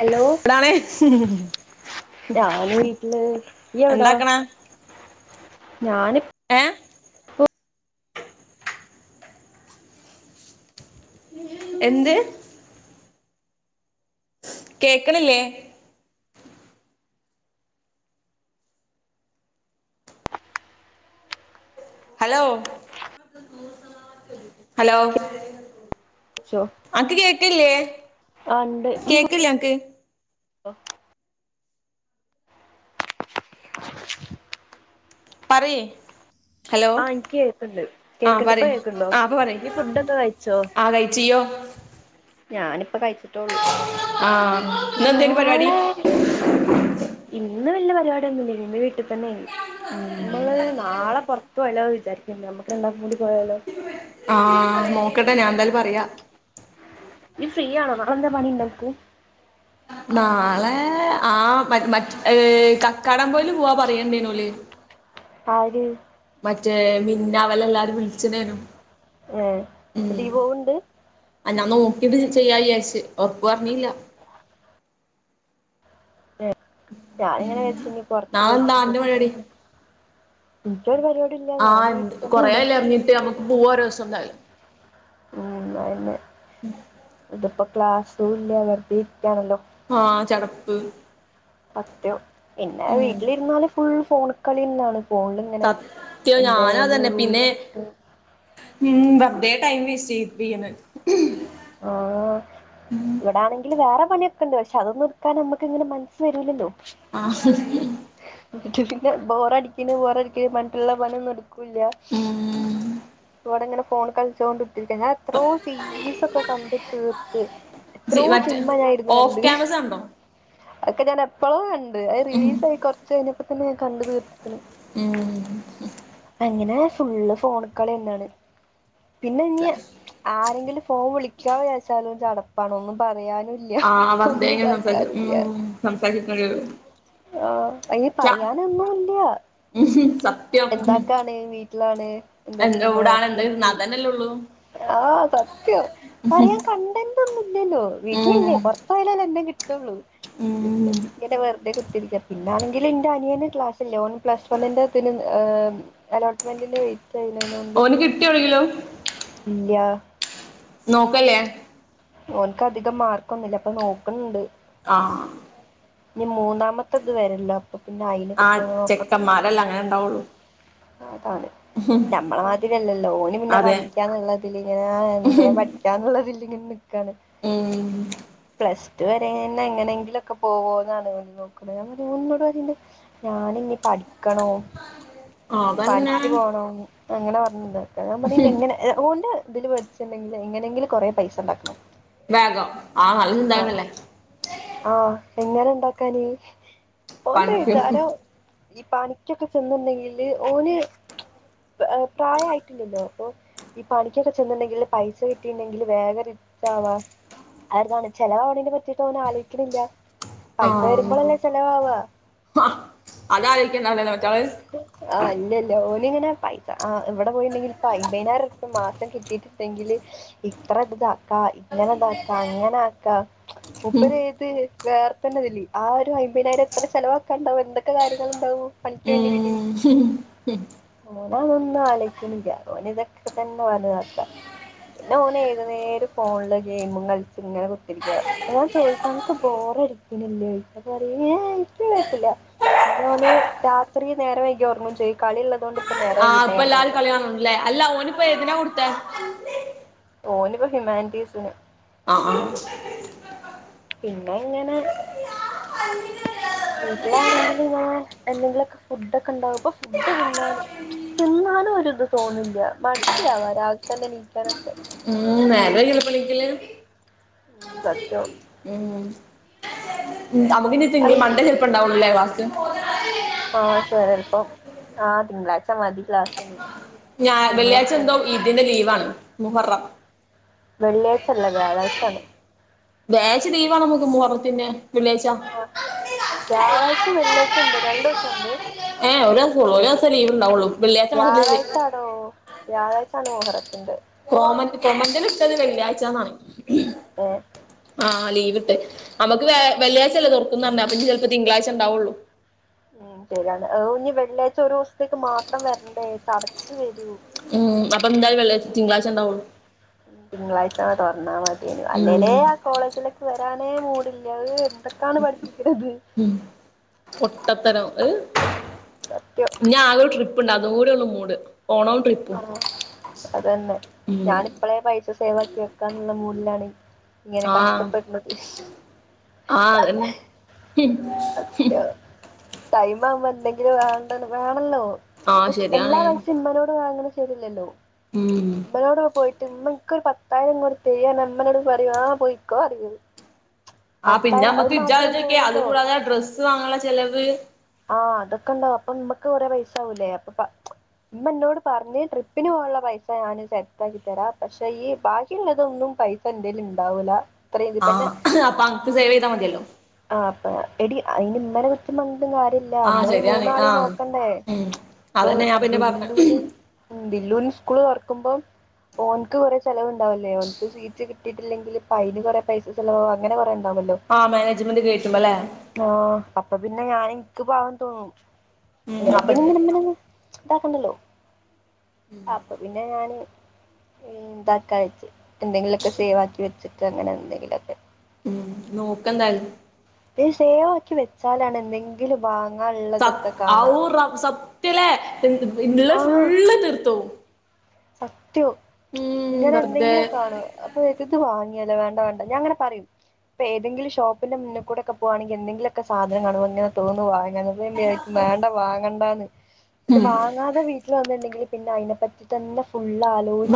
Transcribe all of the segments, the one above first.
Hello എവ്ടാണ് ഞാൻ വീട്ടില് ഇയ്യ് എന്താക്കണ ഞാനിപ് ഏ പോ എന്ത് കേക്കണില്ലേ ഹലോ ഹലോ ച്ചോ അൻക്ക് കേക്കില്ലേ [unintelligible] ആ ഉണ്ട് ഈ കേക്കില്ലേ അനക്ക് ഓ പറീ ആ എനിക്ക് കേൾക്ക്ണ്ട് കേക്ക്ണ്ട് പ്പ പറയ് കേക്ക്ണ്ടോ ആ അപ്പൊ പറയ് ഈ ഫുഡൊക്കെ കഴിച്ചോ ആ കഴിച്ചിയ്യോ ഞാനിപ്പ കഴിച്ചു ആഹ ന്നന്തേനി പരിവാടി നാളെ ഇന്ന് വല്ല്യ പരിപാടി ഒന്നും ഇല്ലേനി ഇന്ന് വീട്ടിൽ തന്നെയ്നി. നമ്മള് നാളെ പുറത്ത് പോയാല്ലോ വിചാരിക്ക്ണ്ട് നമ്മക്ക് രണ്ടാ കൂടി പോയാലോ ആഹ നോക്കട്ടെ ഞാൻ എന്തായാലും പറയാ നീ ഫ്രീ ആണോ നാളെ എന്തേ പണിണ്ടൻക്ക് നാളേ ആ മ മറ്റ ഏ കക്കാടം പൊയിൽ പോവാ പറയേണ്ടയ്ന് ഓല് ആര് മറ്റേ മിന്ന അവല എല്ലാരും വിളിച്ചനേനും ഏ ദീപോവ്ണ്ട് [unintelligible] ടു ചെയ്യാന്ന് ചാര്ച്ചി ഉറപ്പു പറഞ്ഞില്ല [unintelligible] ഞാന് ഇങ്ങനെ വിചാരിച്ച് ഞ്ഞി പുറത്ത് നാളെന്താ പോയിട്ടു ഉം ആഹ കൊറേല്ലെ ഇറങ്ങിട്ട് നമ്മുക്ക് പോവാ ഒരു ദിവസം എന്തായാലും ഉ ന്നാ പിന്നെ ന്നെട്ട്പ്പം ക്ലാസ്സ് ഒന്നുല്ല വെർതെ ഇരിക്കാണല്ലോ ആഹ ചടപ്പ് സത്യം പിന്നെ ഉം വീട്ടിലിരുന്നല് ഫുൾ ഫോണ്ട് കളി ന്നാണ് ഫോൺൽ ഇങ്ങനെ സത്യം ഞാനും എന്തേലും അതന്നെ റീല് പിന്നെ കണ്ടിട്ട് ഉം വർതെ ടൈം വെസ് ചെയ്യ ചെയ്യിണ് ആ ഇവിടെ ആണെങ്കിൽ വേറെ പണിയൊക്കെണ്ട് പക്ഷെ അതൊന്നും എടുക്കാൻ നമുക്ക് ഇങ്ങനെ മനസ് വരൂലല്ലോ ആഹ് [unintelligible] ബോറടിക്ക്ണ് ബോറടിക്ക്‌ണ് പറഞ്ഞിട്ടുള്ള പണി ഒന്നും എ കുല്ല്യ ഉം ഇവിടെങ്ങനെ ഫോൺ കളിച്ചോണ്ട് കുത്തിരിക്ക ഞാൻ എത്രോ സീരീസ ഒക്കെ കണ്ട് തീർത്ത് ജ് എത്രയോ മറ്റ് സിനിമ ഓഫ് ക്യാമറസണ്ടോ എക്കെ ഞാൻ എപ്പോളോ ക ത് അത് റീൽസ് കുറച്ച് കയിഞ്ഞപ്പ തന്നെ കണ്ടു തീർത്ത്ക്ക്ണ് ഉം അങ്ങനെ ഫുള്ള് ഫോണ് കളി തന്നാണ് പിന്നെ ഇനി ആരെങ്കിലും ഫോൺ വിളിക്കാന്ന് വിചാരിച്ചാലും ചടപ്പാണ് ഒന്നും പറയാ ആഹ് വറുതെ ഇങ്ങനെ സംസാരിച്ച ഉം സംസാരിച്ചിക്കേണ്ട വരും ആഹ് അയ്ന് ച്ച പറയാനൊന്നുംല്ല ഉം സത്യം എന്താക്കാണ് വീട്ടിലാണ് എന്താ എന്താക്കുന്നോ ഊടാണ് എന്താ കിട്ടുന്നത് അതന്നെല്ലേ ഉള്ളൂ ആഹ് സത്യം പറയാൻ കണ്ട ല്ലല്ലോ വീട്ടിലല്ലേ ഉം പൊറത്തായാലല്ലേ എന്തേ കി ട്ടുള്ളു പിന്നെ ഉം ഇങ്ങനെ വെറ്തെ കുത്തിരി പിന്നാണെങ്കില് ന്റെ അനിയന് ക്ലാസ്സ്ല്ല ഓന് പ്ലസ് വണ്ണിന്റെ തിന് ഏഹ് അലോട്ട്മെൻറ്റിന് വെയ് ചെയ്നെനൊണ്ട് ഓന് കിട്ടിയോ എവിടെങ്കിലും ഇല്ല്യ നോക്കല്ലേ ഓന്ക്ക് അധികം മാർക്കൊന്നുല്ല അപ്പോ നോക്കണ് ണ്ട് ആഹ് ഇനി മൂന്നാമത്തത് വര്ല്ലോ ആ ചെക്കന്മാരെല്ലാം അങ്ങനെ ണ്ടാവുള്ളു ആഹ് ആണ് നമ്മളെ മാതിരിഅല്ലല്ലോ ഓന് പിന്നെ അതെ പഠിക്കാന്നുള്ളതില് ഇങ്ങനെ എന്താ പഠിക്കാന്നുള്ളതില് ഇങ്ങ ക്കാണ് ഉം പ്ലസ് റ്റു വരെ ന്നെ എങ്ങനെങ്കിലും ഒക്കെ പോവോ എന്നാണ് നോക്ക്ണ് [unintelligible] ഞാനിനി പഠിക്കണോ അതന്നെ പണിക്ക് പോണോന്ന് അങ്ങനെ പറഞ്ഞ്ണ്ട് ഞാ പറഞ്ഞ് ഇനി എങ്ങനെ ആഹ്‌ ഒണ്ട് ഇതില് വെച്ചുണ്ടെങ്കില് എങ്ങനെങ്കിലും കൊറെ പൈസ ഇണ്ടാക്കണം വേഗം ആ നല്ലോര്താണല്ലെ എങ്ങനെണ്ടാക്കാന് ഓന്റോര് പണിക്ക് ജാ [unintelligible] ഈ പനിക്കൊക്കെ ചെന്ന്ണ്ടെങ്കിൽ ങ്കില് ഓന് പ്രയായിട്ട്ല്ലല്ലോ അപ്പൊ ഈ പണിക്കൊക്കെ ചെന്ന്ണ്ടെങ്കില് പൈസ കിട്ടിണ്ടെങ്കില് വേഗം റിച്ചാവാ [unintelligible] പറ്റിട്ട് അവൻ ആലോയ്ക്ണില്ല ആഹ് ഹാ അതായിരിക്കും നല്ലത് ആഹ് അല്ലല്ല ഓന്ങ്ങനെ പൈസ ആ ഇവ്ടെ പോയിണ്ടെങ്കിൽ ഇപ്പൊ അയ്പയ്നായിരം റുപ്യ മാസം കിട്ടിട്ട്ണ്ടെങ്കില് ഇത്ര ഇതാക്കാ ഇങ്ങനെ ഇതാക്ക അങ്ങനെ ആക്ക [unintelligible] ആ ഉം ഒരു ഒപതിനായിരം എത്ര ചെലവാക്കാം ഇണ്ടാവും എന്തൊക്കെ കാര്യങ്ങള് ഇണ്ടാവും [unintelligible] ഓന് ഉം അഹോന്നും ആലോയ്ക്ണില്ല ഓന് ഇതൊക്കെ തന്നെ [unintelligible] പിന്നെ ഓന് ഏതു നേരും ഫോൺല് ഗെയ്മും കൾച്ച് ഇങ്ങനെ കുത്തര്ക്കാ ഓൻ ചോയ്ക്കും അൻക്ക് ബോറടിക്ക്ണില്ലേ അപ്പം പറയും ഏയ് ഇൻക്ക് കോഴപ്പല്ല [unintelligible] രാത്രി നേരം വൈക്കി ഒർങ്ങും ചെയ് കളിള്ളതൊണ്ട് ആഹ് ഇപ്പ എല്ലാരും കളികാണും ല്ലെ അല്ല ഓന്പ്പോ ഏത്നാ കൊട്ത്തെ ഓന്പ്പ ഹ്യുമാൻറ്റീസിന് അഹ് ആഹ് പിന്നെ ഇങ്ങനെ വീട്ടിലാണെങ്കില് ഞാൻ എന്തെങ്കിലോക്കെ ഫുഡൊക്കെ ഇണ്ടാക്കും ഫുഡ് ത്ന്നാന് ത്ന്നാനും ഒരു ഇത് തോന്ന്ണില്ല മടിയാവ രാവിൽ തന്നെ നീക്കാനൊക്കെ [unintelligible] മ് തറ്റോ മ് [unintelligible] അല്ല മണ്ടെ ചെൽപ്പം ഇണ്ടാവൊള്ളൂലെ [unintelligible] [unintelligible] ആഹ് ചെലപ്പം ആഹ് തിങ്കളാഴ്ച മതി ക്ലാസ്സ്‌ ഇനി ഞാ വെള്ളിയാഴ്ച എന്തോ ഇത്ന്റെ ലീവാണ് മുഹറം വെള്ളിയാഴ്ച്ചല്ല വ്യാഴാഴ്ച്ചാണ് വ്യാഴാഴ്ച്ച ലീവ് ആണ് നമുക്ക് മുഹറത്തിന്റെ വെള്ളിയാഴ്ച്ച [inaudible] വ്യാഴാഴ്ച വെള്ളിയാഴ്ച ഉണ്ട് രണ്ടു ദിവസം ഉണ്ട് ഏഹ് ഒരു ദിവസള്ളു ഒരു ദിവസം ലീവ് ഉണ്ടാവുള്ളൂ വെള്ളിയാഴ്ച്ച മാത്രം ലീവ് ചാണ് മുഹറത്തിന്റെ കോമന്റ് കോമന്റിൽ വിട്ടത് വെള്ളിയാഴ്ച്ചാന്നാണ് ഏഹ് ആ ലീവ്ട്ട് നമുക്ക് വ വെള്ളിയഴ്ചല്ലേ തുറക്കുംന്ന് പറഞ്ഞെ അപ്പൊ ഇനി ചെലപ്പോ തിങ്കളാഴ്ച്ച ഉണ്ടാവുള്ളു ഉം ശരിയാണ് അപ്പൊ ഞ്ഞ് വെള്ളിയാഴ്ച്ച ഒരു ദിവസത്തേക്ക് മാത്രം വരണ്ടേ ചടച്ചു വരൂ ഉം അപ്പൊ എന്തായാലും വെള്ളിയാഴ്ച്ച തിങ്കളാഴ്ച്ച ഉണ്ടാവള്ളൂ തിങ്കളാഴ്ച്ചന്നെ തുറന്നാൽ മതി യേനു ഉം അല്ലെലെ ആ കോളേജിലേക്ക് വരാൻ തീരെ മൂഡില്ല [unintelligible] [inaudible] ഉം പൊട്ടത്തരം അഹ് സത്യം ഇനി ആകെ ഒരു ട്രി പ്പ്ണ്ട് അത് കൂടിയൊള്ളു മൂട് ഓണവും ട്രിപ്പും ആഹ് അതന്നെ ഉം ഞാനിപ്പളെ പൈസ സേവാക്കി വെക്കാന്നുള്ള മൂ ഡിലാണെ ആഹ് ആഹ് അതന്നെ ഹിം ഹിം ടൈം ആവുമ്പോ എന്തെങ്കിലും വേണ്ട വേണല്ലോ ആഹ് ശരിയാണ് എല്ലാ പൈസിം ഇമ്മനോട് വാങ്ങ്ണ് ശെരില്ലല്ലോ ഉം മ്മളോടെ പോയി ഇമ്മ ഇക്ക് ഒരു പത്തായിരം ഇങ്ങോട്ട് തരി പറഞ്ഞ ഇമ്മ ഇന്നോട് പറയും ആഹ് പൊയ്ക്കോ പറയും ആ പിന്നെ നമ്മുക്ക് ഇജ്ജ് ആലോച്ചോക്കിയേ അത്‌ പോരല്ലോ കൂടാതെ ഡ്രസ്സ് സ്സ് വാങ്ങാനൊള്ള ചെലവ് ആഹ് അതൊക്കെ ണ്ടാവും അപ്പോ ഇമ്മക്ക് കൊറെ പൈസ ആവൂലെ അപ്പൊ ഇമ്മന്നോട് പറഞ്ഞ് ട്രിപ്പിന് പോവാനൊള്ള പൈസ ഞാന് സെറ്റാക്കി തരാ പഷേ ഈ ബാക്കിയുള്ളതൊന്നും പൈസ ഇന്റെയ്യിൽ ണ്ടാവൂല ആ അപ്പൊ അൻക്ക് സേവ് ചെയ്താ മതിയല്ലോ ആ അപ്പ എടി അതിന് ഇമ്മനെ കുറ്റം പറ ഞ്ഞിട്ട് കാര്യല്യാ ആഹ് നമ്മള് ശരിയാണ് മൂന്നാളീം ആഹ് നോക്കണ്ടേ ഉം ഇപ്പൊ അതന്നെ ഞാൻ പിന്നെ പറഞ്ഞ ബില്ലൂന് ബില്ലൂന് സ്കൂൾ തുറക്കുമ്പോൾ ഓന്ക്ക് കുറെേ ചിലവു ഉണ്ടാവില്ലേ ഒനുക് സീറ്റ് കി കട്ടിട്ടില്ലെങ്കിൽ അന് കുറെ പൈസ ചെലവാകും അങ്ങനെ കുറണ്ട് ആഹ മാനേജ്മെൻ്റ് ആഹ അപ്പ പിന്നെ ഞാന എക്ക് പകം തോന്നും ഉം അപ്പ എല്ലത്തിന ഇങ്ങനെമ്മന ഇതാകണ്ടല്ലോ അപ്പൊ പിന്നെ ഞാന് എന്താക്കെ എന്തെങ്കിലുമൊക്കെ സേവ് ആക്കി വെച്ചിട്ട് അങ്ങനെ എന്തെങ്കിലുമൊക്കെ ഉ നോക്കന്തായാല സേവക്കി വെച്ചാലാണ് എന്തെങ്കിലും വ സപ്പ ആഔർ സപ്പ പിലെ ഇല്ല ഫുള് തീർത്തവും സത്യ ത്വം ഇങ്ങന വെറുതെ എന്തെങ്കിലും കാണ അപ്പൊ ഇത് വാങ്ങ വേണ്ട വണ്ട ഞാ അങ്ങനെ പറയും ഇപ്പ ഏതെങ്കിലുംഷോപ്പിന്റെുന്നിൽക്കൂടെക്കെ പോവാെങ്ക എന്തെങ്കിലൊക്കെ സാധന കാണോങ്ങനെ തോന്നു അങ്ങനും വേണ്ട വാങ്ങണ്ട ണ്ടന്ന് വാങ്ങാതെ വീട്ട ഇ വന്നട്ടണ്ടെങ്കിൽ പിന്നെ അതിനെപ്പറ്റി മു തന്ന ഫുള്ള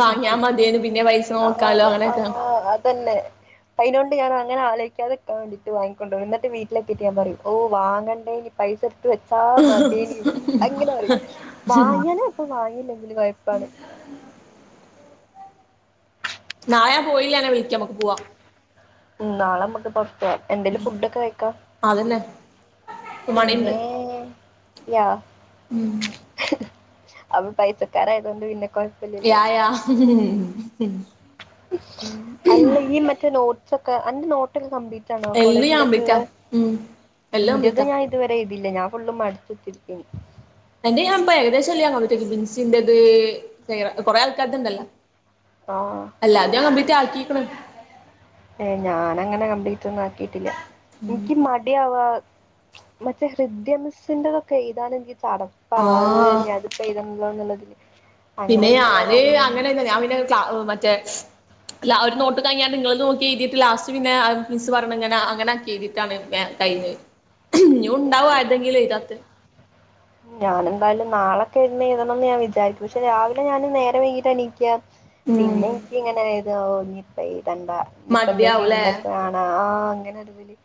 വാങ്ങിയാ മതിയേനു പിന്നെ പൈസ ആ നോക്കാലോ ആ അങ്ങനെയൊക്കെ അതന്നെ അതിനോണ്ട് ഞാനൻ അങ്ങനെ ആോചിക്കാതെ വണ്ടട്ട് വാങ്ങിക്കണ്ടോ എന്നി് വീട്ടിലൊക്കെട്ട് ഞാൻ പറ ഓ വാങ്ങണ്ടനി പൈസ വെച്ചാ മതിനി അങ്ങനെ പറയും വാങ്ങ അപ്പം വാ ഇല്ലെങ്കിൽ ആണ് നാളെ ഞാൻ പോയില്ലനെ വിളിക്കാം നമക്ക് പോവാ നാളെ നമ്മുക്ക് എന്തെലും ഫുഡൊക്കെ കഴക്ക അതന്നെ പിന്നെ യാ ഉം അവൻ പൈസക്കാരായതോണ്ട് പിന്നെ കൊഴപ്പല്ലല്ലോ യാ യാ ഹും അല്ല ഈ മറ്റേ നോട്സൊ ക്കെ അന്റെ നോട്ടൊക്കെ കംപ്ലീറ്റ് റ്റാണോ എല്ലാം ഞാൻ കംപ്ലീറ്റാ കോളേജിലേക്ക്ള്ളെ ഉം എല്ലാം ഇന്റത് കംപ്ലീറ്റാ ഞാൻ ഇതുവരെ എയ് ഇല്ല ഞാൻ ഫുള്ള് മടുത്ത്ത്തുരിക്കെന്നു എന്റെ ഞാൻ ഇപ്പൊ ഏകദേശെല്ലാം കംപ്ലീറ്റ് ആക്കിട്ടിണ്ട് ബിൻസിന്റത് കൊറേ ആൾക്കാരത് ഇണ്ടല്ലോ ആഹ് അല്ല അത്ഞാൻ കംപ്ലീറ്റ് റ്റാകീക്ക്ണ് ഏ ഞാനങ്ങനെ കംപ്ലീ റ്റൊന്നും ആക്കിയിട്ടില്ല ഇൻക്ക് മടി ആവാ മറ്റേ ഹൃദ്യമിസ്സിന്റെതൊക്കെ എയ്താനെന്തെന്നു ചടപ്പാവ ആഹ് ഇനി അത്പ്പൊ എയ്തണല്ലോന്ന്ള്ളത്. പിന്നെ ഞാന് അങ്ങനൊന്നല്ല ഞാൻ പിന്നെ ക്ല മറ്റേ അല്ല ഒരു നോട്ട് കഴിഞ്ഞാണ്ട് ഇങ്ങളത് നോക്കി എഴുതിയിട്ട് ലാസ്റ്റ് പിന്നെ ആ മിസ്സ് പറഞ്ഞ ഞാൻ അങ്ങനാക്കി എയ്തിട്ടാണ് വേം കയ്ഞ്ഞത്. ഇഞ്യും ഉണ്ടാവും ഏഹ് ആരേതെങ്കിലും എയ്താത്തെ ഞാനെന്തായാലും നാളൊക്കെ ഇരുന്ന് എഴുതണന്ന് ഞാൻ വിചാരിക്കും പക്ഷെ രാവിലെ ഞാനും നേരം വൈകീട്ട എണീക്ക ഉം പിന്നെ എനിക്ക് ഇങ്ങനെ ഞാൻ ഒറങ്ങിപ്പോയി എന്താ ഇപ്പ എന്തേ മടിയാവുംല്ലേ സിനിമേറ്റാണോ ആ ഇങ്ങനെ [unintelligible]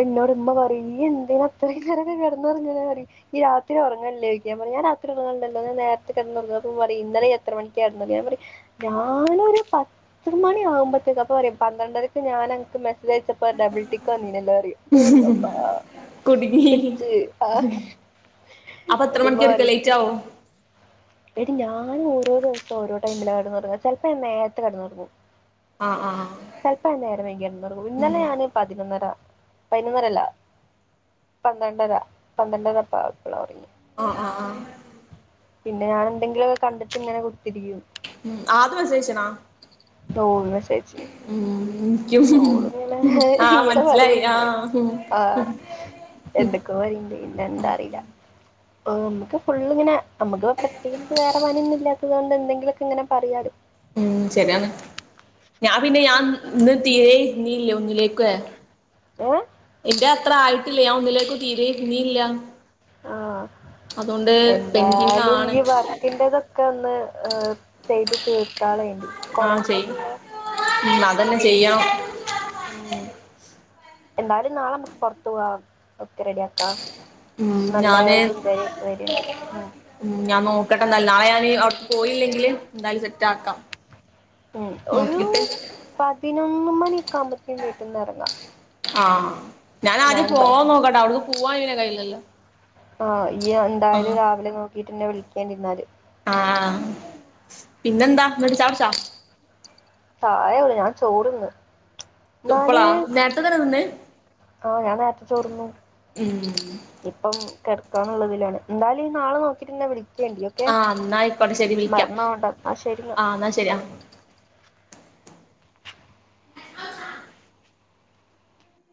ട്ട്ന്നോട് ഇമ്മ പറയും ഇയ്യ് എന്താ ഇത്രേം നേരൊക്കെ കെടന്നു ഒറങ്ങണെ പറയും ഇയ്യ് രാത് ഇജ് ഒറങ്ങലില്ലേ ചോയ്ക്കും ഞാൻ പറയും ഞാൻ രാത്രി ഒറങ്ങലുണ്ടല്ലോ ഞാൻ നേരത്തെ കെടന്നുറങ്ങും അപ്പൊ പറയും ഇന്നലെ എത്ര മണിക്ക കെടന്നത് ഞാൻ പറയും ഞാനൊരു പത്ത് മണി ആകുമ്പത്തേക്ക് അപ്പൊ പറയും പന്ത്രണ്ടരക്ക് ഞാൻ അന്ക് മെസ്സേജ് സ്സേജ് അയച്ചപ്പ ഡബിൾ ടിക്ക് വന്നീനല്ലോറയും അപ്പ ഞാൻ പറയും അല്ലാഹ് പിടിച്ച് ആ അപ്പ എത്ര എന്നിട്ട് ഉമ്മ മണിക്കെത്താ പറയും ലേറ്റാവോ എടി ഞാന് ഓരോ ദിവസം ഓരോ ടൈമില കെടന്നൊറങ്ങ ചെലപ്പോ ഞാൻ നേരത്തെ കെടന്നൊറങ്ങും ആഹ് ആഹ് ചെലപ്പോ ഞാൻ നേരം വൈക്യാ കിടന്നോറങ്ങുവാ ഇന്നലെ ഞാന് പതിനൊന്നര പൈനൊന്നരല്ല പന്ത്രണ്ടര പന്ത്രണ്ടരക്കായപ്പള ഒറങ്ങിയേ ഓ ഓ ഓ പിന്നെ ഞാന് എന്തെങ്കിലൊക്കെ കണ്ടിട്ട്ങ്ങനെ കുത്തിരിക്കും മ് ആത് മെസ്സേജയച്ചിനോ മ് ഓള്ങ്ങനെ ഇങ്ങനെ മനസ്സിലായി പറേണ്ട് ആഹ് ഉം ആ എന്തൊക്കൊ പറേണ്ട് ഇഞ്ഞന്താ അറീല്ല ആ നമുക്ക് ഫുള്ള്ങ്ങനെ നമുക്ക് പ്രത്യേകിച്ച് വേറെ പണിന്നും ഇല്ലാത്തതുകൊണ്ട് എന്തെിലക്കെ ഇങ്ങനെ പറയാാലോ ഉം ശരിയാണ് ഞാൻ പിന്നെ ഞാൻ ഇന്ന് തീരെേ നീല്ലേ ഒന്നിലേക്ക് ഏ എന്റെ അത്ര ആയിട്ടില്ല ഞാൻ ഒന്നിലേക്ക് തീരെ പിന്നീയില്ല ആഹ് പെൻഡിങ് എന്തായാലും ആണ് ഈ വർക്കിറതൊക്കെ ഒന്ന് ചെയ്ത് തീർത്താളറെ ആഹ് ചെയ്യും കോളേജിലൊക്ക ഉള്ള ഉം അതന്നെ ചെയ്യണം ഉം എന്തായാലും നാളെമ്മുക്ക് പുറത്തു പോവാ ഒക്കെ റെഡിയ ആാക്കാ ഉം ഞാന് വര്ണ്ട് ഉം ഉ ഞാൻ നോക്കട്ടെ നല്ല നാളെ ഞാൻ പോയില്ലെങ്കില് എന്തായാലും സെറ്റ് ആക്കാം ഉം ഒരു നോക്കിട്ട് പതിനൊന്ന് മണിയൊക്കെ ആുമ്പത്തേും വീട്ടിൽന്ന് ഇറങ്ങാം ആഹ ഞാൻ ആദ്യം പോവാ നോക്കട്ടാ അടടു പോവാൻ ഇനെ കയ്യിയിലല്ലോ ആഹ ഈ എന്തായാലും രാവിലെ ന വീട്ടന്നെ വിളിക്കണ്ടിരാല് ആഹ പിന്നെന്താ വിടിച്ച വിച്ചാ ചായ ഉള്ളു ഞാൻ ചോടുന്ന് എന്നാല് ഇപ്പളാ നേരത്തെ തന്നെ ആഹ ഞാൻ നേരത്തെ ചോർന്നു തിന്ന് ഉം ഇപ്പം ക ുള്ളതിാണ് എന്തായാല നാളെ നോക്കിട്ട് വിള ആഹ എന്നാ ഇക്കോട്ടെ ശരി വിളിക്കാം പോവണ്ട എന്നാ ശരി ആ എന്നാ ശരി ആ